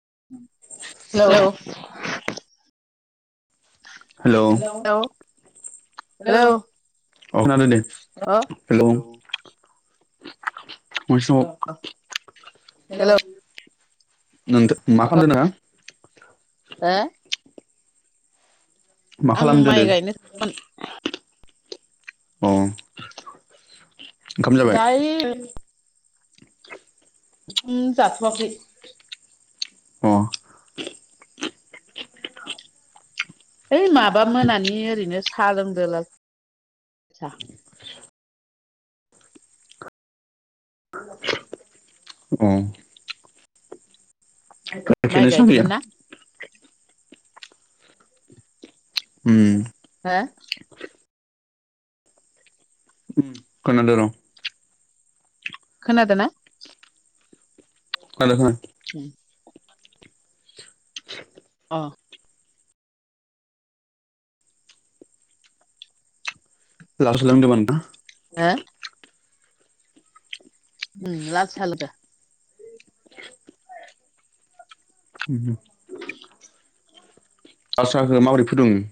हेल'। Hello. Hello hello hello ओ खोनादों दे अ हेल'। हेलौ [inaudible] मा ओ खालामदो नोङो? आं दो माइ गायनो अ। ओंखाम जाबाय दायो जाथ'वाखै जाथ'याखै। अ। है माबा मोनानि ओरैनो साहा लोंदों। अ। माइ गायदोंमोन ना [inaudible] उम। हा। खोनादों र। खोनादों ना? [inaudible] [inaudible] हो [inaudible] [inaudible] उम। [inaudible] [inaudible]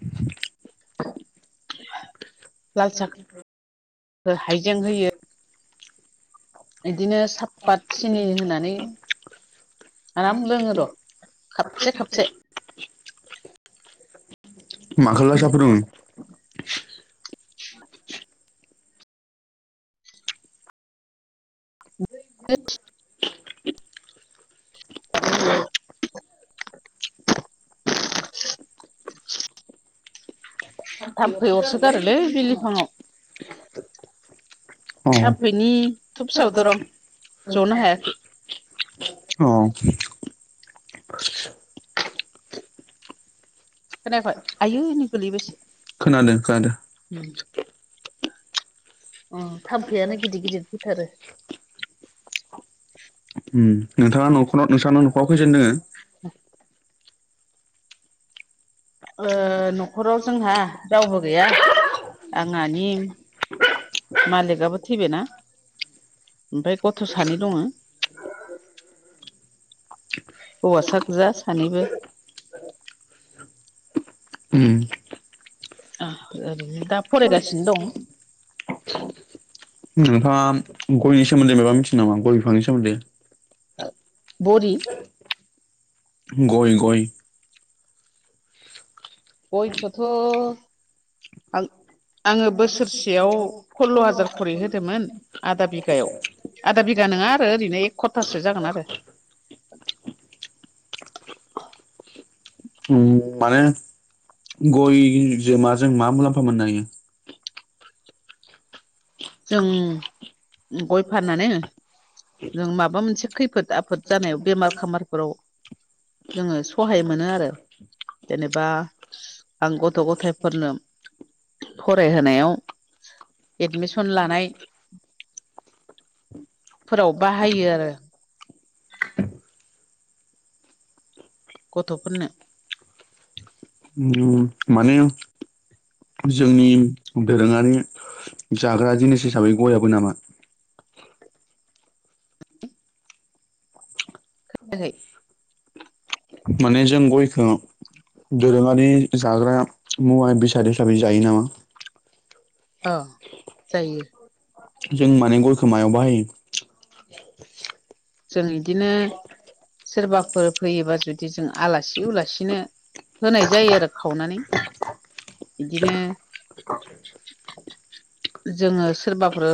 लाल साह हायजें होयो। बिदिनो सापात सिनि होनानै आराम लोङो र' खाबसे खाबसे [inaudible] [inaudible] [inaudible] [inaudible] थाम्फै अरसोगारोलै बिलिफाङआव अ थखमफैनि धुब सावदों रं जनो हायाखै। अ। खोनाखाय आयु एनि गोलैबायसो खोनादों खोनादों। उम अ थाम्फैआानो गिदिर गिदिर फैथारो। नोंथाङा नखर नोंस्रा न'खराव खैजन दङो? ओ न'खराव जोंहा रावबो गैया आंहानि उम मालिकआबो थैबायना? ओमफाय गथ' सानै दङ। हौवासा गोजा सानैबो। उम आं ओरैनो दा फरायगासिनो दं। नोंथाङा गयनि सोमोन्दै माबा मिथियो नामा? गय बिफांनि सोमोन्दै। बरि गय, गय गयखोथ' आं आङो बोसोरसेयाव खल्ल' हाजार [unintelligible] आधा बिघा नङा आरो ओरैनो एक खरतासो जागोन आरो। [inaudible] उम माने गयजों माजो मा मुलाम्फा मोननो हायो? जों गय फाननानै जों माबा मोनसे खैफोद आफोद जानायाव बेमार खामारफोराव जोङो सहाय मोनो आरो। जेनेबा आं गथ' गथायफोरनो। फरायहोनायाव एडमिस सन लानाय फोराव बाहायो आरो। [inaudible] गथ'फोरनो उम, माने जोंनि दोरोङारि जाग्रा जिनिस हिसाबै गयाबो नामा? खोनायाखै? माने जों गयखौ दोरोङारि जाग्रा मुवा बेसाद हिसाबै जायो नामा? ओ जायो। जों माने गयखोमायाव बाहायो? जों इदिनो [unintelligible] सोरबाफोर फैयोबा जुदि जों आलासि उलासिनो होनाय जायो आरो खावनानै। बिदिनो जोङो सोरबाफोर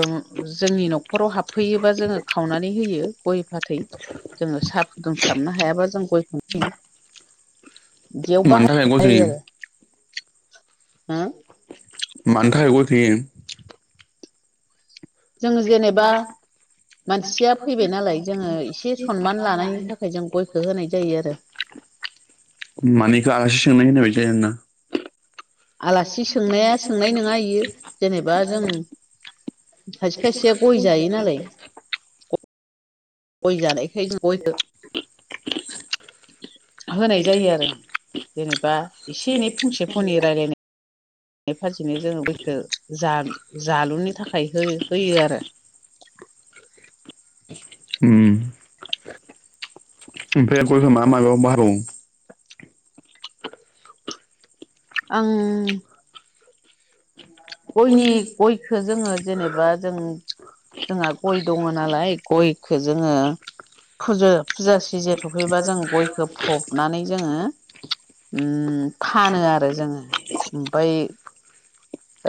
जोंनि न'खराव हाबफैयोबा जोङो खावनानै होयो। गय फाथ थै जोङो साहा फुदुंस्लाबनो हायाबा जों गयखौनो होयो। जेयाव मानि बाहाय थाखाय गय जायो होयो आरो। हो मानि थाखाय गय होयो? जोङो जेनेबा मानसिया फैबाय नालाय जोङो एसे सनमान लानायनि थाखाय जों गयखौ होनाय जायो आरो। मानि एखो आलासि सोंनाय होननाय जायो आरो ना? आलासि सोंनाया सोंनाय नङा इयो। जेनेबा जों खायसे खायसेया गय जायो नालाय। गय जानायखाय जों गयखो होनाय जायो आरो। जेनेबा एसे एनै फंसे फनै रायलायनाय नाय बेबादिनो जों गयखौ जा जालुनि थाखाय हो होयो आरो। उम ओमफ्राय गय'खौ मा मायाव बाहाय बावो? आं गयनि गयखो जोङो जेनेबा जों जोंहा गय दङ नालाय गयखो जोङो फुजु फुजा सिजेन सफैबा जों गयखौ फबनानै जोङो उम फानो आरो जोङो। ओमफाय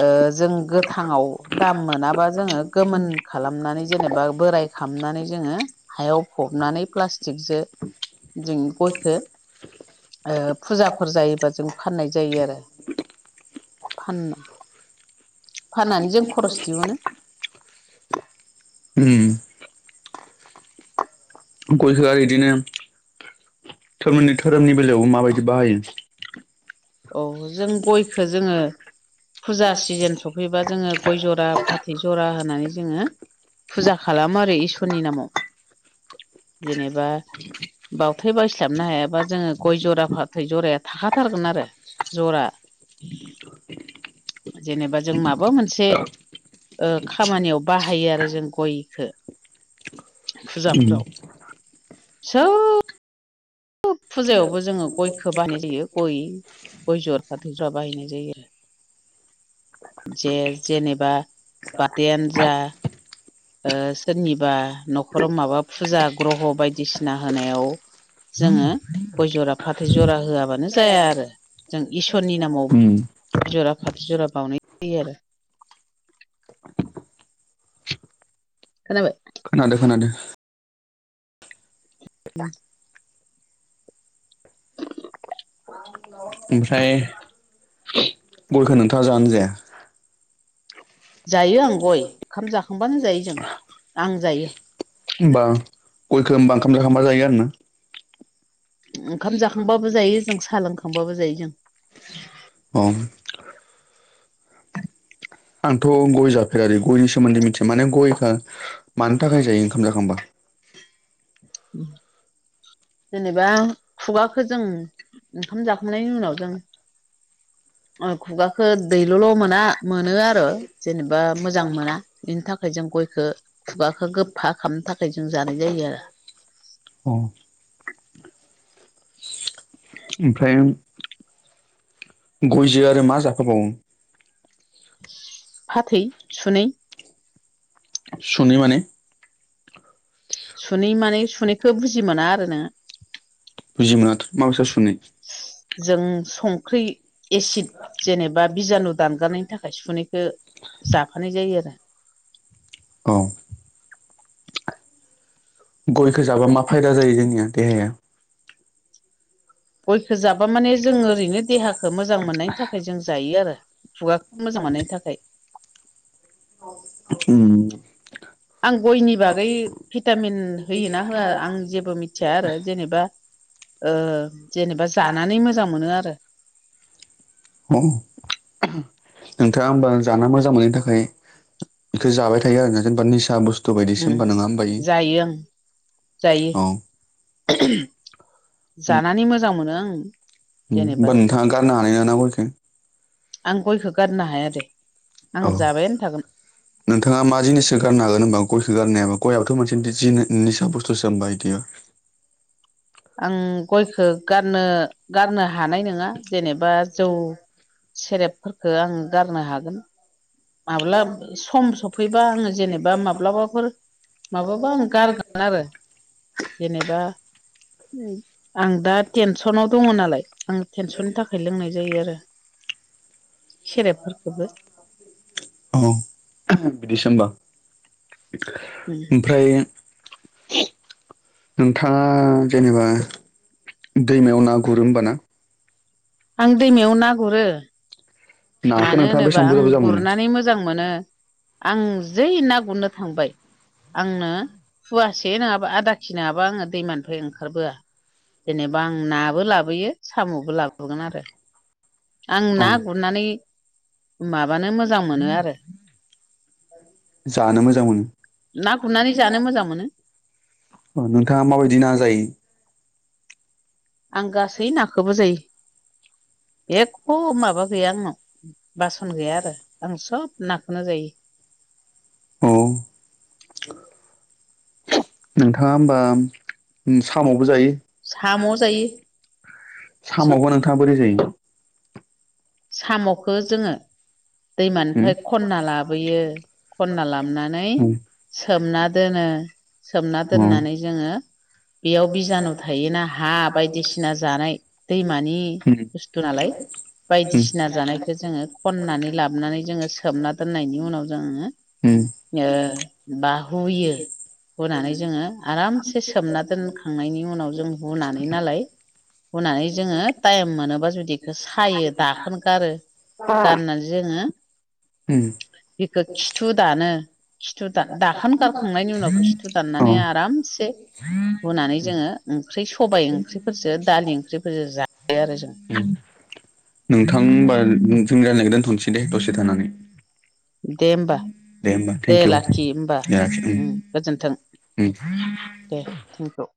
ओ जों गोथाङाव दाम मोनाबा जोङो गोमोन खालामनानै जेनेबा बोराय खालामनानै जोङो हायाव फबनानै प्लास्टिकजों जों गयखौ फुजाफोर जायोबा जों फाननाय जायो आरो फान फाननानै जों खरस दिहुनो उम गयखो आरो इदिनो धोरोमनि धोरोमनि बेलायावबो माबायदि बाहायो औ जों गयखौ जोङो फुजा सिजोन सफैबा जोङो गय जरा फाथै जरा होनानै जोङो फुजा खालामो आरो इसोरनि नामाव जेनेबा बावथाय बायस्लाबनो हायाबा जोङो गय जरा फाथै जराया थाखाथारगोन आरो जरा जेनेबा जों माबा मोनसे ओ खामानियाव बाहायो आरो जों गयखौ फुजाफोराव सौ फुजायावबो जोङो गयखौ बानाय जायो गय गय जरा फाथैजरा बाहायनाय जायो जे जेनेबा बार्थदेआनो जा ओ सोरनिबा न'खराव माबा फुजा ग्रह' बायदिसिना होनायाव जोङो [unintelligible] गय जरा फाथै जरा होआबानो जाया आरो जों इसोरनि नामाव जरा फाथैजरा बावनाय जायो आरो खोनाबाय खोनादों खोनादों [unintelligible] [unintelligible] ओमफ्राय गयखौ नोंथाङा जानो जाया? जायो आं गय ओंखाम जाखांबानो जायो जों आं जायो होमबा गयखौ होमबा ओंखाम जाखांबा जायो आरो ना ओंखाम जाखांबाबो जायो जों साहा लोंखांबाबो जायो जों अ आंथ' गय जाफेरै गयनि सोमोन्दै मिथिया माने गयखौ मानि थाखाय जायो ओंखाम जाखांबा जेनेबा खुगाखौ जों ओंखाम जाखांनायनि उनाव जों खुगाखो दैल'ल' मोना मोनो आरो जेनेबा मोजां मोना बेनि थाखाय थाखाय जों गयखौ खुगाखौ गोफा खालामनो थाखाय जों जानाय जायो आरो अ ओमफ्राय गयजो आरो मा जाखाबावो फाथै सुनै सनि माने सुनै माने सुुनैखौ बुजि मोना आरो नों बुजिमोननाथ माबथसनि जों संख्रि एसिद जेनेबा बिजानु दानगारनायनि थाखाय सुनैखौ जाफानाय जायो आरो औ गयखौ जाबा मा फायदा जायो जों द ह गयखौ जाबा माने जों ओरैनो देहाखौ मोजां मोननायनि थाखाय जों जायो आरो खुगाखौ मोजां मोननायनि थाखाय उम आं गयनि बागै भिटामिन होयोना होआ आं जेबो मिथिया आरो जेनेबा ओ जेनेबा जानानै मोजां मोनो आरो [unintelligible] नोंथांङा होमबा जाना मोजां मोननि थाखाय बेखौ जाबाय थायो आरो जेनेबा निसा बुस ओम जायो आं जायो औ जानानै मोजां मोनो आं उम जेनेबा होमबा नोंथांआ गारनो हानाय नंङा ना गयखो आं गयखो गारनो हाया दे आं औ जाबायानो थागोन नोंथांङा मा जिनिसखो गारनो हागोन होमबा गयखो गारनो हायाबा गयआथ' मोनसे जि निसा बुस्थुसो होनबाय इदि आं गयखो गारनो गारनो हानाय नंङा जेनेबा जौ सेरेपफोरखो आं गारनो हागोन माब्ला सम सफैबा आंङो जेनेबा माब्लाबाफोर माबाबा आं गारगोन आरो जेनेबा आं दा टेनसनाव दंङो नालाय आं टेनसननि थाखाय लोंनाय जायो आरो सेरेबफोरखौबो औ बिदिसो होमबा ओमफ्राय नोंथांङा जेनेबा दैमायाव ना गुरो होमबा ना आं दैमायाव ना गुरो नाखौ मानो नोंथाङा होनोबा बेसेबां बुरजा आं बुरजा मोनो गुरनानै मोजां मोनो आं जै ना गुरनो थांबाय आंनो फुवासे नंङाबा आदाखि नंङाबा आङो दैमानिफ्राय ओंखारबोआ जेनेबा आं नाबो लाबोयो सामबो लाबो गुरगोन आरो आं अ ना गुरनानै माबानो मोजां मोनो आरो जानो मोजां मोनो ना गुरनानै जानो मोजां मोनो नोंथांङा माबायदि ना जायो आं गासै नाखोबो जायो । एख माबा गैया आंनाव बासन गैया आरो आं सब नाखौनो जायो । औ नोंथांङा होमबा सामबो जायो साम' जायो । सामबा सोब नोंथांङा बोरै जायो सामखौ जोंङो उम दैमानिफ्राय खनना लाबोयो खनना लामनानै उम सोमना दोनो सोमना अ उम दोननानै जोंङो बेयाव बिजानु थायोना हा बायदिसिना जानाय दैमानि बुस्थु नालाय बायदिसिना जानायखौ जोंङो खननानै लाबोनानै जोंङो सोमना दोननायनि उनाव जोंङो उम बा हुयो होनानै जोंङो आरामसे सोमना दोनखांनायनि उनाव जों हुनानै नालाय हुनानै जोंङो टाइम मोनोबा जुदि बेखौ सायो । दाखोन गारो गारनानै जोंङो उम बेखो खिथु दानो खिथु दाखोन गारखांनायनि उनाव खिथु अ दाननानै आरामसे हुनानै जोंङो ओंख्रि सबाय ओंख्रिफोरजों दालि ओंख्रिफोरजों जायो आरो जों [inaudible] नोंथां होनबा जोंनि रायज्लायखौ दोनथनोसै दे दसे थानानै दे होमबा होमबा दे थेंक इउ लाखि होमबा उम गोजोनथों उम दे [unintelligible]